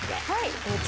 はい。